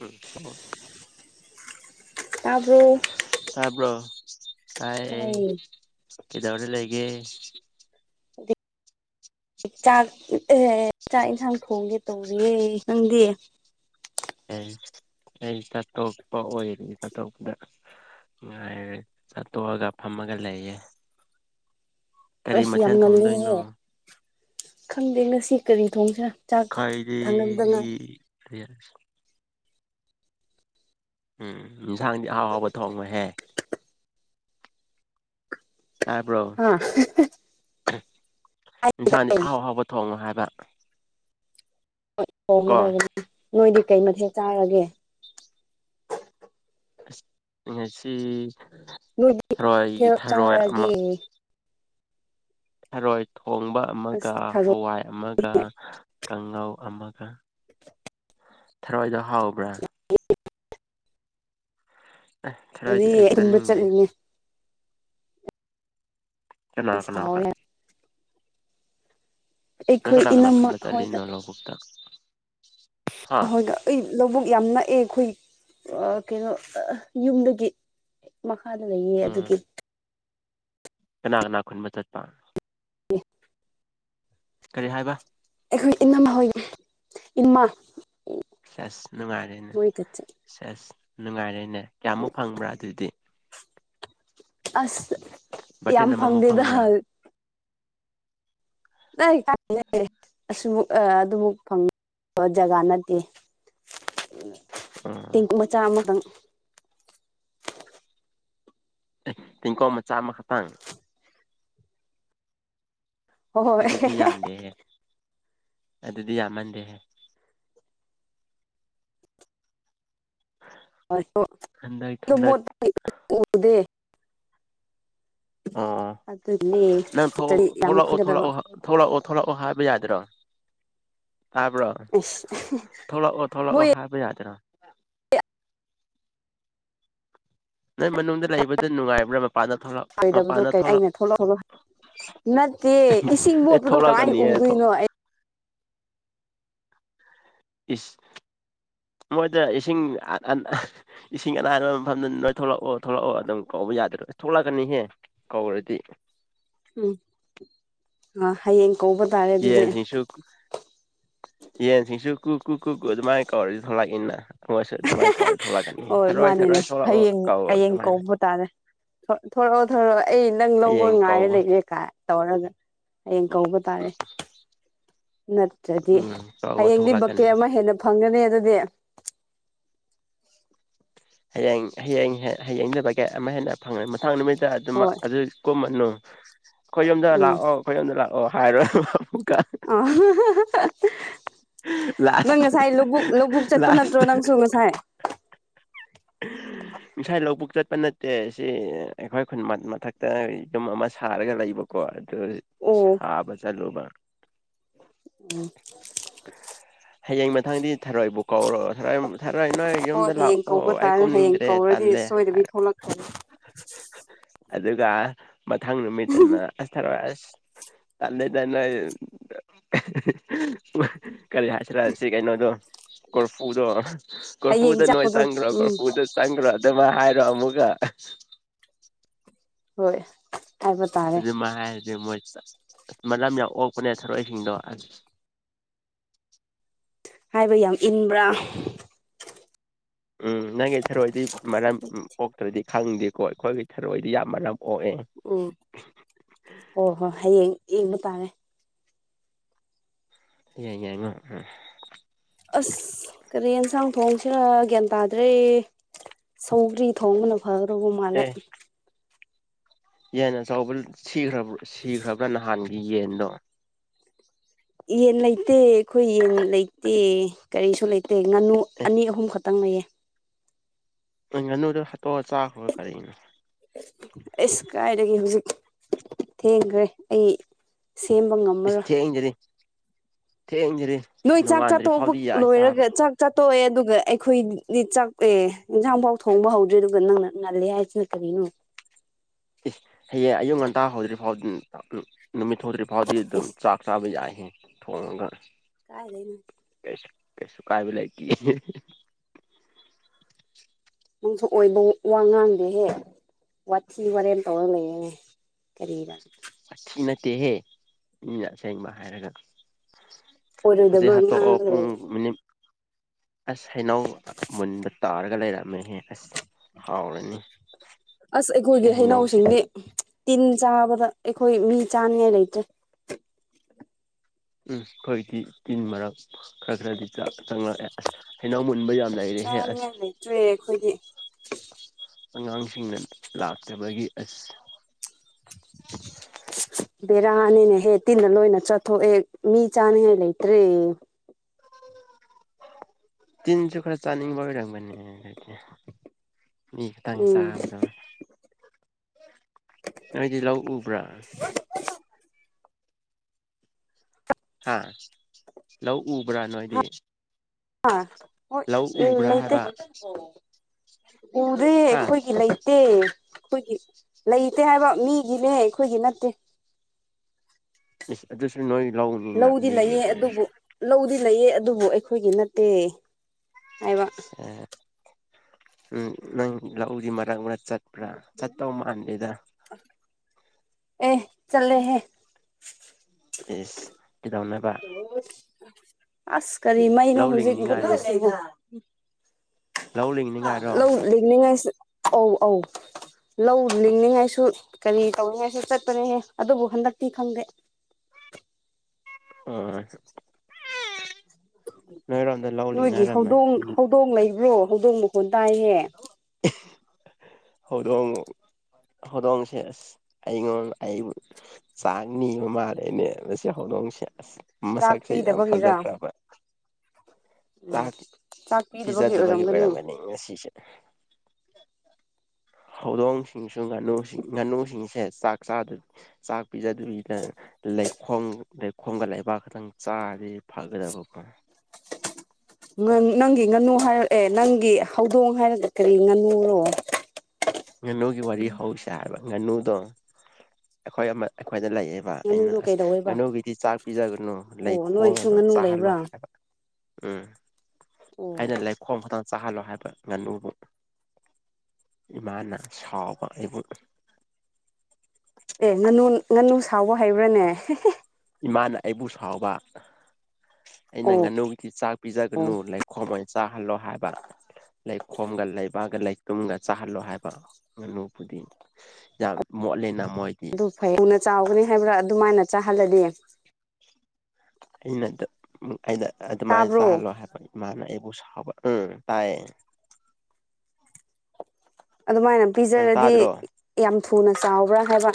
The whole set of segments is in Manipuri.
ꯎꯝ ꯍꯃꯣ ꯇꯥꯕ꯭ꯔꯣ ꯇꯕ꯭ꯔꯣ [inaudible] ꯀꯥꯏ ꯇꯥꯏꯌꯦ ꯀꯗ ꯋꯥ ꯂꯩ ꯂꯩꯒꯦ [inaudible] ꯆꯥꯛ ꯑꯦ ꯆꯥꯛ ꯌꯦꯟꯁꯥꯡ ꯊꯣꯡꯒꯦ ꯇꯧꯕꯔꯤꯌꯦ ꯑꯩ ꯈꯪꯗꯦ ꯑꯩ ꯆꯥꯠꯇꯣꯛꯄ ꯑꯣꯏꯔꯦ ꯆꯥꯠꯇꯣꯛꯄꯗ ꯉꯥꯏꯔꯦ ꯆꯥꯠꯇꯣꯛꯑꯒ ꯐꯝꯃꯒ ꯂꯩꯌꯦꯦ ꯑꯁꯤ ꯌꯥꯝꯅ ꯂꯩ ꯈꯪꯗꯦ ꯉꯁꯤ ꯀꯔꯤ ꯊꯣꯡꯁꯦ ꯆꯥꯛ ꯊꯥꯡꯅꯕꯗꯉꯥꯏ ꯎ ꯎꯝ ꯏꯟꯁꯥꯡꯗꯤ ꯑꯍꯥꯎ ꯍꯥꯎꯕ ꯊꯣꯡꯕꯍꯦ ꯑ [unintelligible] [unintelligible] ꯏꯟꯁꯥꯡꯗꯤ ꯑꯍꯥꯎꯍꯥꯎꯕ ꯊꯣꯡꯉꯣ ꯍꯥꯏꯕ ꯍꯣꯏ ꯀꯣ ꯍꯣꯡꯒꯗꯕꯅꯤ ꯅꯣꯏꯗꯤ ꯀꯩ ꯃꯊꯦꯜ ꯆꯥꯔꯒꯦ ꯃꯁꯤ ꯅꯨꯣꯏꯗꯤ ꯊ ꯆꯥꯔꯒꯦ ꯔꯣꯣꯏ ꯊ ꯍꯣꯡꯕ ꯑꯁ ꯑꯃꯒ ꯍꯋꯥꯏ ꯑꯃꯒ ꯀꯥꯡꯉꯥꯎ ꯑꯃꯒ ꯊꯔꯏꯗ ꯑꯦ ꯊꯔꯣꯏꯗꯤ ꯑꯗꯨꯗꯤ ꯑꯩ ꯄꯨꯟꯕ ꯆꯥꯅꯤꯡꯗꯦ ꯆꯠꯂꯤꯉꯦ ꯀꯅꯥ ꯑꯁ ꯀꯅꯥ ꯀ ꯍꯥꯎꯋꯦ ꯏ ꯑꯩꯈꯣꯏ ꯀꯅꯥ ꯀꯅꯥ ꯏꯅꯝꯃ ꯈꯆꯥꯅ ꯂꯧꯕꯗ ꯣꯏ ꯑꯩ ꯂꯧꯕꯨꯛ ꯌꯥꯝ ꯅꯛꯑꯦ ꯑꯩꯈꯣꯏ ꯀꯩꯅꯣ ꯌꯨꯝꯗꯒꯤ ꯐꯥꯗ ꯂꯩꯌꯦ ꯎꯝ ꯑꯗꯨꯒꯤ ꯀꯅꯥ ꯀꯅꯥ ꯈꯨꯟꯕ ꯆꯠꯄ ꯑꯣ ꯀꯔꯤ ꯍꯥꯏꯕ ꯑꯩꯈꯣꯏ ꯏꯃꯥ ꯍꯣꯏ ꯏꯃꯥ ꯁꯁ ꯅꯨꯡꯉꯔꯦꯅ ꯃꯣꯏꯒ ꯆꯠ ꯁꯁ ꯅꯨꯡꯉꯥꯏꯔꯦꯅꯦ ꯀꯌꯥꯃꯨꯛ ꯐꯪꯕ꯭ꯔꯥ ꯑꯗꯨꯗꯤ ꯑꯁ ꯌꯥꯝ ꯕꯥꯔꯇꯤꯟ ꯑꯃꯃꯨꯛ ꯐꯪꯗꯦꯗ ꯐꯪꯕ꯭ꯔꯥ [inaudible] [inaudible] ꯑꯁꯨꯃꯛ ꯑꯗꯨꯃꯛ ꯐꯪꯕ ꯖꯒꯥ ꯅꯠꯇꯦ ꯑꯣ ꯇꯦꯡꯀ ꯃꯆꯥ ꯑꯃꯈꯪ ꯊꯤꯡꯀꯣ ꯃ ꯆꯥꯃ ꯈꯇꯥꯡ ꯑꯗꯨꯗꯤ ꯌꯥꯝꯗꯦꯍꯦ ꯍꯣꯏꯣꯏ ꯑꯗꯨꯗꯤ ꯌꯥꯝꯃꯟꯗꯦꯍꯦ ꯍ ꯍꯟꯗꯛ ꯍꯟꯗꯛ ꯎꯗꯦ ꯑꯣ ꯑꯗꯨꯅꯦ ꯅꯪ ꯌꯥꯝ ꯈꯨꯟꯒꯗꯕ ꯊꯣꯛꯂꯛꯑꯣꯂꯛꯑꯣ ꯊꯣꯛꯂꯛꯑꯣ ꯊꯂꯛꯑꯣ ꯍꯥꯏꯕ ꯌꯥꯗ꯭ꯔꯣ ꯇꯥꯕ꯭ꯔꯣ ꯑꯁ ꯊꯣꯛꯂꯛꯑꯣ ꯃꯣꯏ ꯊꯣꯛꯂꯛꯑꯣ ꯍꯥꯏꯕ ꯌꯥꯗ꯭ꯔꯣ ꯅꯣꯏ ꯃꯅꯨꯡꯗ ꯂꯩꯕꯗ ꯅꯨꯡꯉꯥꯏꯕ꯭ꯔꯥ ꯃꯄꯥꯟꯗ ꯊꯣꯛꯂꯛ ꯗꯕꯗꯣ ꯃꯄꯥꯟꯗ ꯀ ꯊꯣꯛꯂꯛ ꯑꯩꯅ ꯊꯣꯛꯂꯛꯛ ꯅꯠꯇꯦ ꯏꯁꯤꯡ ꯑꯦ ꯃꯣꯠꯄꯗꯣ ꯀꯃꯥꯏ ꯊꯣꯛꯂꯛꯑꯅꯤꯌꯦ ꯎꯗꯣꯏꯅꯣ ꯑꯩ ꯏꯁ ꯃꯣꯏꯗ ꯏꯁꯤꯡ ꯏꯁꯤꯡ ꯑꯅꯥꯕ ꯃꯐꯝꯗꯨ ꯅꯣꯏ ꯊꯣꯛꯂꯛꯑꯣ ꯊꯣꯛꯂꯛꯑꯣ ꯑꯗꯨꯝ ꯀꯧꯕ ꯌꯥꯗ꯭ꯔꯣ ꯊꯣꯛꯂꯛꯀꯅꯤꯍꯦ ꯀꯧꯔꯗꯤ ꯎꯝ ꯑ ꯍꯌꯦꯡ ꯀꯧꯕ ꯇꯥꯔꯦ ꯌꯦ ꯑꯗꯨꯗꯤ ꯁꯤꯁꯨ ꯀ ꯌꯦ ꯁꯤꯁꯨꯨ ꯀꯨ ꯀꯨ ꯀꯨ ꯀ ꯑꯗꯨ ꯃꯥꯥꯏ ꯀꯋꯥꯔ ꯂꯅ ꯍꯣꯏ ꯃꯥꯅꯤꯅꯦ ꯊꯔꯣꯏ ꯊꯣꯛꯂꯛꯑꯣ ꯍꯌꯦꯡ ꯀꯧ ꯍꯌꯦꯡ ꯑꯗꯨꯃꯥꯏꯅ ꯀꯧꯕꯇꯥꯥꯅꯦ ꯊꯣꯔꯛꯑꯣ ꯊꯣꯔꯛꯑꯣ ꯑꯩ ꯅꯪ ꯂꯧꯕ ꯍꯌꯦꯡ ꯉꯥꯏꯔꯦ ꯀꯧ ꯂꯩꯔꯦ ꯀꯥꯏ ꯇꯧꯔꯒ ꯍꯌꯦꯡ ꯀꯧꯕ ꯇꯥꯔꯦ ꯅꯠꯇ꯭ꯔꯗꯤ ꯎꯝ ꯀꯧꯕ ꯍꯌꯦꯡꯗꯤ ꯕꯛꯀꯦ ꯊꯣꯛꯂꯛꯀꯅꯤ ꯑꯃ ꯍꯦꯟꯅ ꯐꯪꯒꯅꯤ ꯑꯗꯨꯗꯤ ꯍꯌꯦꯡ ꯍꯌꯦꯡ ꯍꯌꯦꯡꯗ ꯒꯦꯠ ꯑꯃ ꯍꯦꯟꯅ ꯐꯪꯉꯅꯤ ꯃꯊꯪ ꯅꯨꯃꯤꯠ ꯑꯗꯨ ꯍꯣꯏ ꯑꯗꯨ ꯀꯨꯝꯃꯅꯨ ꯍ ꯑꯩꯣꯏꯣꯌꯣꯝꯗ ꯂꯥꯛꯑꯣ ꯑꯩꯣꯏꯣꯌꯣꯝꯗ ꯂꯥꯛꯑꯣ ꯑꯣ ꯍꯥꯏꯔꯣꯏ ꯑꯣ ꯎ ꯅꯪ ꯂꯥꯁ ꯉꯁꯥꯏ ꯂꯧꯕꯛ ꯂꯧꯕꯨꯛ ꯆꯠꯄ ꯂꯥꯁ ꯅꯠꯇ꯭ꯔꯣ ꯅꯪꯁꯨ ꯉꯁꯥꯏ ꯉꯁꯥꯏ ꯂꯧꯕꯨꯛ ꯆꯠꯄ ꯅꯠꯇꯦ ꯁꯤ ꯑꯩꯈꯣꯏ ꯈꯨꯟ ꯃꯊꯛꯇ ꯌ ꯑꯗꯨꯝ ꯑꯃ ꯁꯥꯔꯒ ꯂꯩꯕꯀꯣ ꯑꯣ ꯁꯥꯕ ꯆꯂꯨꯃ ꯎꯝ ꯍꯌꯦꯡ ꯃꯊꯪꯗꯤ ꯊꯔꯣꯏꯕꯨ ꯀꯧꯔꯣꯑꯣ ꯊꯔꯣꯏ ꯊꯔꯣꯏ ꯅꯣꯏ ꯍꯣꯏ ꯌꯨꯝꯗ ꯍꯌꯦꯡ ꯂꯥꯛꯑꯣ ꯀꯧꯕ ꯑꯩ ꯇꯥꯔꯦ ꯍꯌꯦꯡ ꯀꯨꯝꯅꯤꯡꯗ꯭ꯔꯦ ꯀꯧꯔꯗꯤ ꯇꯜꯂꯦ ꯁꯣꯏꯗꯕꯤ ꯍꯥꯏꯔ ꯊꯣꯛꯂꯛꯇꯦ ꯑꯗꯨꯒ ꯃꯊꯪ ꯅꯨꯃꯤꯠꯅ ꯊꯔ ꯑꯁ ꯇꯥꯟ ꯂꯩ ꯇꯅ ꯀꯔꯤ ꯍꯥꯏꯁꯤꯔꯛꯑꯁꯤ ꯀꯩꯅꯣꯗꯣ ꯀꯣꯔꯐꯨꯗꯣ ꯍꯌꯦꯡ ꯀꯣꯏꯄꯕꯨꯗ ꯅꯣꯏ ꯆꯠꯄꯗꯣ ꯆꯥꯡꯒ꯭ꯔ ꯄ ꯎꯝ ꯐꯨꯗ ꯆꯥꯡꯒ꯭ꯔ ꯗꯃ ꯍꯥꯏꯥꯏꯔꯣ ꯑꯃꯃꯨꯀ ꯍꯣꯏ ꯍꯥꯏꯕ ꯇꯥꯔꯦ ꯑꯗꯨ ꯃꯥ ꯍꯥꯏ ꯃ ꯃꯔ ꯌꯥꯝ ꯑꯣꯛꯄꯅꯦ ꯊꯔꯛꯏꯁꯤꯡꯗꯣ ꯍꯥꯏꯕ ꯌꯥꯝ ꯏꯟꯕ꯭ꯔꯥ ꯎꯝ ꯅꯪꯒꯤ ꯊꯔꯣꯏꯗꯤ ꯃꯔꯝ ꯄꯣꯛꯇ꯭ꯔꯗꯤ ꯈꯪꯗꯦꯀꯣ ꯑꯩꯈꯣꯏꯒꯤ ꯊꯔꯣꯏꯗꯤ ꯌꯥꯝ ꯃꯔꯅꯝ ꯎꯝ ꯍꯣ ꯍꯣ ꯍꯌꯦꯡ ꯏꯕ ꯇꯔꯦ ꯌꯥꯏ ꯌꯥꯏ ꯉ ꯎ ꯑꯁ ꯀꯔꯤ ꯌꯦꯟꯁꯥꯡ ꯊꯣꯡꯁꯤꯅ ꯒ꯭ꯌꯥꯟ ꯇꯥꯗ꯭ꯔꯦ ꯁꯧꯒ꯭ꯔꯤ ꯊꯣꯡꯕꯅ ꯐꯔꯕ ꯃꯥꯂꯦ ꯑꯦ ꯌꯦꯟ ꯑꯆꯧꯕ ꯁꯤꯈ꯭ꯔ ꯁꯤꯈ꯭ꯔꯕ꯭ꯔꯥ ꯅꯍꯥꯟꯒꯤ ꯌꯦꯟꯗꯣ ꯌꯦꯟ ꯂꯩꯇꯦ ꯑꯩꯈꯣꯏ ꯌꯦꯟ ꯂꯩꯇꯦ ꯀꯔꯤꯁꯨ ꯂꯩꯇꯦ ꯉꯥꯅꯨ ꯑꯅꯤ ꯑꯍꯨꯝ ꯈꯛꯇ ꯇꯪꯅꯩꯌꯦ ꯪ ꯅ ꯍ ꯑꯁ ꯀꯥꯏꯗꯒꯤꯦ ꯍꯧꯖꯤꯛ ꯊꯦꯡꯈ꯭ꯔꯦ ꯑꯩ ꯁꯦꯝꯕ ꯏꯁ ꯉꯝꯃꯔꯣꯏ ꯊꯦꯡꯖꯔꯤ ꯊꯦꯡꯖꯔꯤ ꯅꯣꯏ ꯆꯥꯛ ꯅꯣꯡꯉꯥꯟꯗ꯭ꯔꯤ ꯆꯥꯊꯣꯛꯕ ꯐꯥꯎꯗꯤ ꯌꯥꯏ ꯆꯥꯕ ꯂꯣꯏꯔꯒ ꯆꯥꯛ ꯆ ꯇꯣꯛꯑꯦ ꯑꯗꯨꯒ ꯑꯩꯈꯣꯏꯗꯤ ꯆꯥꯛꯑꯦ ꯏꯟꯁꯥꯡꯐꯥꯎ ꯊꯣꯡꯕ ꯍꯧꯗ꯭ꯔꯦ ꯑꯗꯨꯒ ꯅꯪꯅ ꯉꯜꯂꯦ ꯍꯥꯏꯁꯤꯅ ꯀꯔꯤꯅꯣ ꯏꯁ ꯍꯌꯦꯡ ꯑꯌꯨꯛ ꯉꯟꯇꯥ ꯍꯧꯗ꯭ꯔꯤ ꯐꯥꯎꯗꯨ ꯎꯝ ꯅꯨꯃꯤꯠ ꯊꯧꯗ꯭ꯔꯤ ꯐꯥꯎꯗꯤ ꯑꯗꯨꯝ ꯑꯦꯁ ꯆꯥꯛ ꯆꯥꯕ ꯌꯥꯏ ꯊꯒ ꯀꯥꯏ ꯂꯩꯅꯦ ꯀꯩꯁꯨ ꯀꯥꯏꯕ ꯂꯩ ꯀ ꯅꯪꯁꯨ ꯑꯣꯏꯕ ꯋꯥ ꯉꯥꯡꯗꯦꯍꯦ ꯋꯥꯊꯤ ꯋꯥꯔꯦꯟ ꯇꯧꯔ ꯂꯩꯌꯦꯅꯦ ꯅ ꯅꯠꯇꯦꯍꯦ ꯏ ꯑꯁꯦꯡꯕ ꯍꯥꯏꯔꯒ ꯍꯧꯖꯤꯦ ꯑꯣꯏꯔꯣꯏꯗꯕ ꯍꯥꯠꯇ ꯉꯥꯡꯉꯒ ꯄꯨꯡ ꯂꯩꯔꯦ ꯃꯤꯅꯤ ꯑꯁ ꯍꯩꯅꯧ ꯃꯨꯟꯕ ꯇꯥꯔꯒ ꯂꯩꯔꯝꯃꯦꯍꯦ ꯑꯁ ꯍꯥꯎꯔꯅꯤ ꯑꯁ ꯁꯤ ꯑꯩꯈꯣꯏꯒꯤ ꯍꯩꯅꯧꯁꯦ ꯍꯩꯅꯧꯁꯤꯡꯗꯤ ꯇꯤꯟ ꯆꯥꯕꯗ ꯑꯩꯈꯣꯏ ꯃꯤ ꯆꯥꯅꯤꯉꯥꯏ ꯂꯩꯇ꯭ꯔꯦ ꯎꯝ ꯐꯣꯏꯗꯤ ꯇꯤꯟ ꯃꯔꯛ ꯈ ꯈꯔꯗꯤ ꯆ ꯆꯪꯉ ꯍꯩꯅ ꯍꯟꯕ ꯌꯥꯝ ꯂꯩꯔꯦꯍꯦ ꯑꯁ ꯆꯥꯅꯤꯡꯉꯥꯏ ꯂꯩꯇ꯭ꯔꯦ ꯑꯩꯈꯣꯏꯗꯤ ꯑꯉꯥꯡꯁꯤꯡꯅ ꯂꯥꯛꯇꯕꯒꯤ [unintelligible] ꯕꯦꯔꯥꯅꯤꯅꯦꯍꯦ ꯇꯤꯟꯅ ꯂꯣꯏꯅ ꯆꯥꯊꯣꯛꯑꯦ ꯃꯤ ꯆꯥꯅꯤꯡꯉꯥꯏ ꯂꯩꯇ꯭ꯔꯦ ꯇꯤꯟꯁꯨ ꯈꯔ ꯆꯥꯅꯤꯡꯕꯔꯡꯕꯅꯦ ꯃꯤ ꯈꯇꯪ ꯎꯝ ꯆꯥꯒꯗꯕ ꯅꯣꯏꯗꯤ ꯂꯧ ꯎꯕ꯭ꯔꯥ ꯍꯥꯥ ꯂꯧ ꯎꯕ꯭ꯔꯥ ꯅꯣꯏꯗꯤ ꯍꯥ ꯍꯥ ꯍꯣꯏ ꯂꯧ ꯎ ꯎꯕ꯭ꯔꯥ ꯂꯩꯇꯦ ꯍꯥꯏꯕ ꯎꯗꯦ ꯍꯥ ꯑꯩꯈꯣꯏꯒꯤ ꯂꯩꯇꯦ ꯑꯩꯈꯣꯏꯒꯤ ꯂꯩꯇꯦ ꯍꯥꯏꯕ ꯃꯤꯒꯤꯅꯦ ꯑꯩꯈꯣꯏꯒꯤ ꯅꯠꯇꯦ ꯏꯁ ꯑꯗꯨꯁꯨ ꯅꯣꯏ ꯂꯧꯅꯤꯅ ꯂꯧꯗꯤ ꯃꯤꯒꯤ ꯂꯩꯌꯦ ꯑꯗꯨꯕꯨ ꯑꯣꯏꯔꯁꯨ ꯂꯧꯗꯤ ꯂꯩꯌꯦ ꯑꯗꯨꯕꯨ ꯑꯩꯈꯣꯏꯒꯤ ꯅꯠꯇꯦ ꯍꯥꯏꯕ ꯑꯁ ꯑꯥ ꯎꯝ ꯅꯪ ꯂꯧꯗꯤ ꯃꯔꯛ ꯃꯔꯛ ꯆꯠꯄ꯭ꯔꯥ ꯆꯠꯇꯧ ꯃꯥꯟꯗꯦꯗ ꯑꯦ ꯆꯠꯂꯦꯍꯦ ꯏꯁ ꯀꯩꯗꯧꯅꯕ [unintelligible] ꯑꯁ ꯀꯔꯤ ꯃꯩꯅꯣ ꯂꯧ ꯍꯨꯖꯤꯛ ꯂꯤꯡꯅꯤꯉꯥꯏꯔꯣ ꯃꯨꯠꯂꯤꯁꯤꯅ ꯎꯝ ꯂꯧ ꯂꯤꯡꯅꯤꯉꯥꯏꯔꯣ ꯂꯧ ꯂꯤꯡꯅꯤꯡꯉꯥꯏꯁꯨ ꯑꯧ ꯑꯧ ꯂꯧ ꯂꯤꯡꯅꯤꯡꯉꯥꯏꯁꯨ ꯀꯔꯤ ꯇꯧꯅꯤꯡꯉꯥꯏꯁꯨ ꯆꯠꯄꯅꯦꯍꯦ ꯑꯗꯨꯕꯨ ꯍꯟꯗꯛꯇꯤ ꯈꯪꯗꯦ ꯑꯥ ꯑꯥ ꯑꯥ [unintelligible] ꯅꯣꯏꯒꯤ ꯍꯧꯗꯣꯡ ꯍꯧꯗꯣꯡ ꯂꯩꯕ꯭ꯔꯣ ꯍꯧꯗꯣꯡ ꯃꯈꯣꯟ ꯇꯥꯏꯍꯦ ꯍꯧꯗꯣꯡ ꯍꯧꯗꯣꯡꯁꯦ ꯑꯁ ꯑꯩꯉꯣꯟ ꯑꯩꯕꯨ ꯆꯥꯛ ꯅꯤꯕ ꯃꯥꯜꯂꯦꯅꯦ ꯃꯁꯤ ꯍꯧꯗꯣꯡꯁꯦ ꯑꯁ ꯆꯥꯛ ꯃꯁꯛꯁꯦ ꯌꯥꯝ ꯄꯤꯗꯕꯒꯤꯔ ꯐꯖꯈ꯭ꯔꯕ ꯆꯥꯛ ꯆꯥꯛ ꯄꯤꯗꯕꯒꯤ ꯄꯤꯖꯗꯕꯒꯤ ꯑꯣꯏꯔꯝꯒꯅꯤ ꯉꯁꯤꯁꯦ ꯍꯧꯗꯣꯡꯁꯤꯡꯁꯨ ꯉꯥꯅꯨꯁꯤꯡ ꯉꯥꯅꯨꯁꯤꯡꯁꯦ ꯆꯥꯛ ꯆꯥꯗ꯭ꯔ ꯆꯥꯛ ꯄꯤꯖꯗꯕꯤꯗ ꯂꯩꯈꯣꯡ ꯂꯩꯈꯣꯡꯒ ꯂꯩꯕꯥꯛ ꯈꯛꯇꯪ ꯆꯥꯔꯗꯤ ꯐꯒꯗꯕꯀꯣ ꯅꯪ ꯅꯪꯒꯤ ꯉꯥꯅꯨ ꯍꯥꯏꯔꯛ ꯑꯦ ꯅꯪꯒꯤ ꯍꯧꯗꯣꯡ ꯍꯥꯏꯔꯒ ꯀꯔꯤ ꯉꯥꯅꯨꯔꯣ ꯉꯥꯅꯨꯒꯤ ꯋꯥꯔꯤ ꯍꯧꯁꯦ ꯍꯥꯏꯕ ꯉꯥꯅꯨꯗꯣ ꯑꯩꯈꯣꯏ ꯑꯃ ꯑꯩꯈꯣꯏꯗ ꯂꯩꯌꯦꯕ ꯑꯩꯅ ꯉꯥꯅꯨꯗꯣ ꯑꯁ ꯀꯩꯗꯧꯋꯦꯕ ꯉꯥꯅꯨꯒꯤꯗꯤ ꯆꯥꯛ ꯄꯤꯖꯒꯅꯨ ꯂꯩ ꯑꯣ ꯈꯣꯡ ꯅꯣꯏꯒꯤꯁꯨ ꯑꯗꯨꯝ ꯉꯥꯅꯨ ꯆꯥꯍꯜꯂꯣ ꯂꯩꯕ꯭ꯔꯥ ꯍꯥꯏꯕ ꯎꯝ ꯑꯣ ꯑꯩꯅ ꯂꯩꯈꯣꯝ ꯈꯇꯪ ꯆꯥꯍꯜꯂꯣ ꯍꯥꯏꯕ ꯉꯥꯅꯨꯕꯨ ꯏꯃꯥꯅ ꯁꯥꯎꯕ ꯑꯩꯕꯨ ꯑꯦ ꯉꯥꯅꯨ ꯉꯥꯅꯨ ꯁꯥꯎꯕ ꯍꯩꯕ꯭ꯔꯥꯅꯦ ꯏꯃꯥꯅ ꯑꯩꯕꯨ ꯁꯥꯎꯕ ꯑꯩꯅ ꯑꯣ ꯉꯥꯅꯨꯒꯤ ꯆꯥꯛ ꯄꯤꯖꯒꯅꯨ ꯂꯩꯈꯣꯝ ꯑꯣꯏꯅ ꯆꯥꯍꯜꯂꯣ ꯍꯥꯏꯕ ꯂꯩꯈꯣꯝꯒ ꯂꯩꯕ ꯅꯨꯄꯥꯒ ꯂꯩꯇꯨꯝꯒ ꯆꯥꯍꯜꯂꯣ ꯍꯥꯏꯕ ꯉꯥꯅꯨꯕꯨꯗꯤ ꯌꯥꯝ ꯃꯣꯠꯂꯦꯅ ꯃꯣꯏꯗꯤ ꯑꯗꯨ ꯐꯩ ꯎꯅ ꯆꯥꯎꯒꯅꯤ ꯍꯥꯏꯕ꯭ꯔꯥ ꯑꯗꯨꯃꯥꯏꯅ ꯆꯥꯍꯜꯂꯅꯤ ꯑꯩꯅꯗ ꯑꯩꯗ ꯑꯗꯨꯃꯥꯏꯅ ꯇꯥꯕ꯭ꯔꯣ ꯆꯥꯍꯜꯂꯣ ꯍꯥꯏꯕ ꯏꯃꯥꯅ ꯁꯕ ꯎꯝ ꯇꯥꯏ ꯑꯗꯨꯃꯥꯏꯅ ꯄꯤꯖꯔꯗꯤ ꯌꯥꯝ ꯊꯨꯅ ꯆꯥꯎꯕ꯭ꯔꯥ ꯍꯥꯏꯕ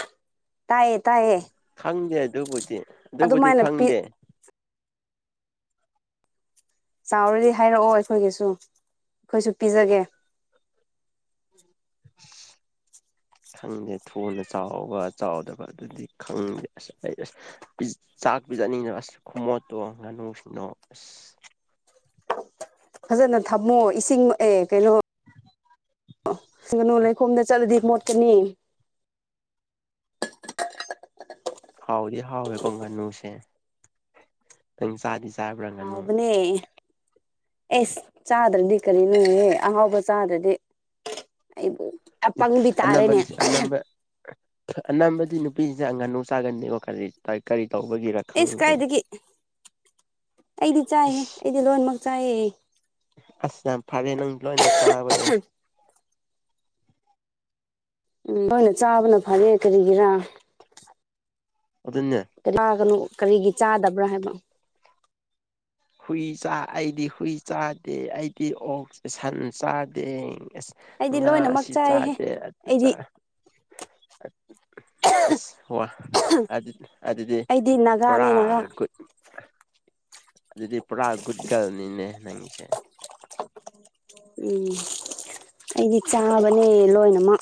ꯇꯥꯏꯌꯦꯦ ꯇꯥꯏꯑꯦ ꯈꯪꯗꯦ ꯑꯗꯨꯕꯨꯗꯤ ꯑꯗꯨꯕꯨꯗꯤ ꯄꯤ ꯈꯪꯗꯦ ꯆꯥꯎꯔꯗꯤ ꯍꯥꯏꯔꯛꯑꯣ ꯑꯩꯈꯣꯏꯒꯤꯁꯨ ꯑꯩꯈꯣꯏꯁꯨ ꯄꯤꯖꯒꯦ ꯑ ꯈꯪꯗꯦ ꯊꯨꯅ ꯆꯥꯎꯕ ꯆꯥꯎꯗꯕ ꯑꯗꯨꯗꯤ ꯈꯪꯗꯦ ꯑꯁ ꯑꯩ ꯑꯁ ꯆꯥꯛ ꯄꯤꯖꯅꯤꯡꯤꯅ ꯑꯁ ꯈꯨꯃꯣꯠꯇꯣ ꯉꯥꯅꯨꯁꯤꯡꯅꯣ ꯑꯁ ꯐꯖꯅ ꯊꯝꯃꯣ ꯏꯁꯤꯡ ꯑꯦ ꯀꯩꯅꯣ ꯉꯥꯅꯨ ꯂꯩꯈꯣꯝꯗ ꯆꯠꯂꯗꯤ ꯃꯣꯠꯀꯅꯤ ꯍꯥꯎꯗꯤ ꯍꯥꯎꯋꯦꯀꯣꯡ ꯉꯥꯅꯨꯁꯦ ꯅꯪ ꯆꯥꯗꯤ ꯆꯕꯔꯒꯅꯨ ꯍꯥꯎꯕꯅꯦ ꯑꯦꯁ ꯆꯥꯗ꯭ꯔꯗꯤ ꯀꯔꯤꯅꯣꯍ ꯑꯍꯥꯎꯕ ꯆꯥꯗ꯭ꯔꯗꯤ ꯑꯩꯕꯨ ꯑꯄꯪꯕꯤ ꯇꯥꯔꯦꯅꯦ ꯑꯅꯥꯝꯕꯅꯤ ꯑꯅꯥꯝꯕ ꯑꯅꯥꯕꯗꯤ ꯅꯨ ꯦ ꯆꯪꯒꯅꯨ ꯁꯥꯥꯒꯟꯅꯤꯕ ꯀꯔꯤ ꯇꯧꯕꯒꯤꯔ ꯑꯦꯁ ꯈꯪꯗꯦ ꯀꯥꯏꯗꯒꯤ ꯑꯩꯗꯤ ꯆꯥꯏꯍꯦ ꯑꯩꯗꯤ ꯂꯣꯟꯃꯛ ꯆꯥꯏꯌꯦ ꯑꯁꯝ ꯐꯔꯦ ꯅꯪ ꯂꯣꯏꯅ ꯆꯥꯕꯗ ꯎꯝ ꯅꯣꯏꯅ ꯆꯥꯕꯅ ꯐꯔꯦ ꯀꯔꯤꯒꯤꯔꯥ ꯑꯗꯨꯅꯦ ꯒꯅ ꯀꯔꯤꯒꯤ ꯆꯥꯗꯕ꯭ꯔꯥ ꯍꯥꯏꯕ ꯍꯨꯏ ꯆ ꯑꯩꯗꯤ ꯍꯨꯏ ꯆꯥꯗꯦ ꯑꯩꯗꯤ ꯑꯣꯛ ꯁꯟ ꯆꯥꯗꯦ ꯑꯦꯁ ꯑꯩꯗꯤ ꯉꯥ ꯂꯣꯏꯅꯃꯛ ꯁꯤ ꯆꯥꯏꯍꯦ ꯆꯥꯗꯦ ꯑꯗꯨ ꯆꯥ ꯑꯩꯗꯤ ꯑꯁ ꯋꯥ ꯑꯗꯨꯗꯤ ꯑꯩꯗꯤ ꯄꯨꯔꯥ ꯅꯥꯒꯥꯅꯦ ꯅꯥꯒꯥ ꯒ ꯑꯗꯨꯗꯤ ꯄꯨꯔꯥ ꯒꯨꯠꯒꯜꯅꯤꯅꯦ ꯅꯪꯁꯦ ꯎꯝ ꯑꯩꯗꯤ ꯆꯥꯕꯅꯦ ꯂꯣꯏꯅꯃꯛ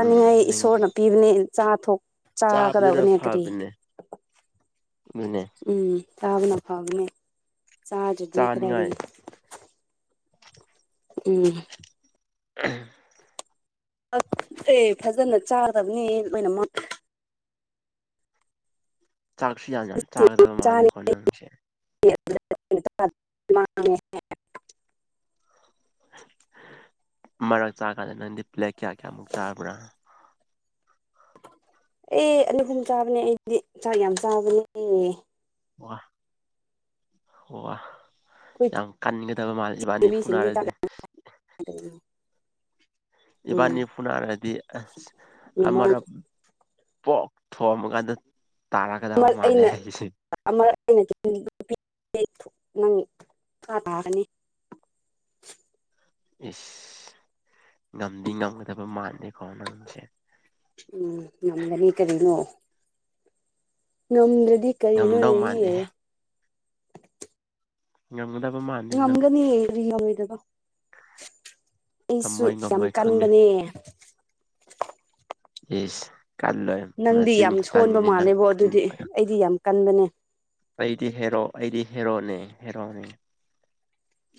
ꯎꯝ ꯅꯪꯒꯤ ꯏꯁꯣꯔꯅ ꯄꯤꯕꯅꯦ ꯆꯥ ꯊꯣ ꯆꯥꯕꯗꯨꯅ ꯆꯥꯒꯗꯕꯅꯦ ꯀꯔꯤ ꯐꯕꯅꯦ ꯑꯗꯨꯅꯦ ꯎꯝ ꯇꯥꯎꯅ ꯐꯅꯤ ꯆ ꯆꯗꯤ ꯆꯥꯅꯤꯡꯉꯥꯏ ꯀꯗꯥꯏꯔꯒ ꯎꯝ ꯎ ꯑꯦ ꯐꯖꯅ ꯆꯥꯗꯕꯅꯤ ꯑꯩꯣꯏꯅꯃꯛ ꯆꯥꯛꯁꯨ ꯌꯥꯖꯥꯟ ꯁꯤꯡ ꯆꯥꯛꯗꯕ ꯃꯥꯂꯦ ꯆꯥꯅꯤ ꯀꯣꯟꯅꯪꯁꯦ [inaudible] ꯃꯔꯛ ꯆꯥꯀꯥꯟꯗ ꯅꯪꯗꯤ ꯄ꯭ꯂꯦꯛ ꯀꯌꯥ ꯀꯌꯥꯃꯨꯛ ꯆꯥꯕ꯭ꯔꯥ ꯑꯦ ꯑꯅꯤ ꯑꯍꯨꯝ ꯆꯥꯕꯅꯦ ꯑꯩꯗꯤ ꯆꯥꯛ ꯌꯥꯝ ꯆꯥꯕꯅꯦ ꯋꯥ ꯋꯥ ꯋꯥ ꯌꯥꯝ ꯀꯟꯅꯤꯡꯒꯗꯕ ꯆꯦ ꯃꯥꯜꯁꯤꯕꯥꯅꯤ ꯃꯤꯁꯤꯡꯗꯤ ꯆꯥꯛ ꯐꯅꯔꯁꯤ ꯌꯥꯝ ꯀꯩꯅꯣ ꯎꯝ ꯏꯕꯥꯅꯤꯄꯨꯅ ꯍꯥꯏꯗꯤ ꯃꯣꯏ ꯑꯔ ꯄꯣꯛ ꯊꯣꯑꯝꯒꯗ ꯑꯃ ꯇꯔꯒꯗꯕ ꯃꯥꯂꯦ ꯑꯩꯅ ꯍꯥꯏꯁꯤ ꯑꯃꯔꯛ ꯑꯩꯅ ꯅꯪꯥ ꯇꯥꯒꯅꯤ ꯏꯁꯁ ꯉꯝꯗꯤ ꯉꯝꯒꯗꯕ ꯃꯥꯟꯂꯦꯀꯣ ꯅꯪꯁꯦ ꯎꯝ ꯉꯗꯅꯤ ꯀꯔꯤꯅꯣ ꯅꯗ ꯗꯤ ꯀꯔꯤ ꯏꯣꯅ ꯉꯝꯗꯧ ꯃꯥꯟꯗꯦ ꯉꯝꯗ ꯉꯝꯒꯅꯤꯔꯤ ꯉ ꯕ ꯑꯩꯁꯨ ꯉꯝꯃꯣꯏ ꯌꯥꯝ ꯉꯝꯃꯣꯏ ꯈꯪꯉꯦ ꯀꯟꯕꯅꯦ ꯌꯦꯁ ꯅꯪꯗꯤ ꯌꯥꯝ ꯁꯣꯟꯕ ꯃꯥꯜꯂꯦꯕꯣ ꯑꯗꯨꯗꯤ ꯈꯟꯕꯗꯣ ꯑꯩꯗꯤ ꯌꯥꯝ ꯀꯟꯕꯅꯦ ꯑꯩꯗꯤ ꯍꯦꯔꯣ ꯑꯩꯗꯤ ꯍꯦꯔꯣꯅꯦ ꯍꯦꯔꯣꯅꯦ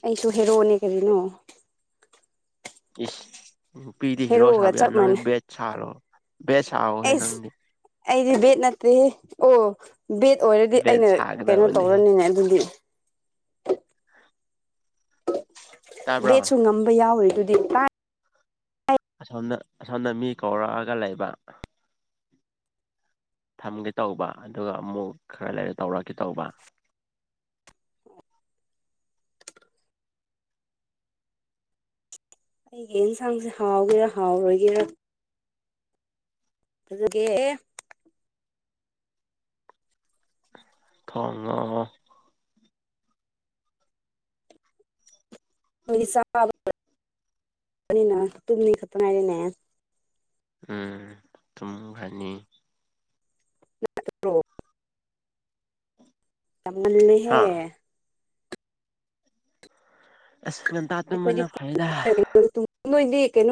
ꯑꯩꯇꯣ ꯍꯦꯔꯣꯅꯦ ꯀꯔꯤꯅꯣ ꯎ ꯎ ꯄꯤꯗꯤ ꯍꯦꯔꯣ ꯍꯦꯔꯣꯒ ꯁꯥꯕ ꯌꯥ ꯆꯞ ꯅꯪ ꯃꯥꯟꯅꯩ ꯕꯦꯠ ꯁꯥꯔꯣ ꯦꯁꯑꯣꯍ ꯑꯩꯁ ꯅꯪꯗꯤ ꯑꯩꯗꯤ ꯦꯠꯠꯇꯦ ꯑꯣ ꯕꯦꯠ ꯑꯣꯏꯔꯗꯤ ꯕꯦꯠ ꯑꯩꯅ ꯀꯩꯅꯣ ꯁꯥꯒꯗꯕꯅꯤ ꯇꯧꯔꯅꯤꯅꯦ ꯑꯗꯨꯗꯤ ꯇꯥꯕ꯭ꯔꯣ ꯦ ꯆꯨ ꯉꯝꯝꯕ ꯌꯥ ꯑꯣꯏꯣꯏ ꯑꯗꯨꯗꯤ ꯇꯥꯏ ꯑꯁꯣꯝꯗ ꯑꯁꯣꯝꯗ ꯃꯤ ꯀꯧꯔꯛꯑꯒ ꯂꯩꯕ ꯊꯝꯒꯦ ꯇꯧꯕ ꯑꯗꯨꯒ ꯑꯃꯨꯛ ꯈꯔ ꯂꯩꯔ ꯇꯧꯔꯛꯀꯦ ꯇꯧꯕ ꯑꯩꯒꯤ ꯌꯦꯟꯁꯥꯡꯁꯦ ꯍꯥꯎꯒꯦꯔ ꯍꯥꯎꯔꯣꯏꯒꯦꯔꯥ ꯑꯗꯨ ꯀꯦ ꯀꯝ ꯁꯥꯕꯅꯤꯅ ꯇꯨꯝꯅꯤ ꯈꯛꯇꯅꯥꯏꯔꯤꯅꯦ ꯎꯝ ꯁꯨꯝ ꯐꯅꯤ ꯑ꯭ꯔꯣ ꯇꯃꯜꯍꯦ ꯍꯥ ꯑꯁ ꯉꯟꯇꯥ ꯇ ꯃꯟꯅ ꯐꯥꯏꯗ ꯣꯏꯗꯤ ꯌꯦ ꯀꯩꯅꯣ